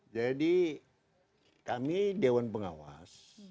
jadi kami dewan pengawas